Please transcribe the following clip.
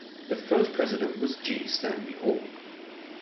The first president was G. Stanley Hall.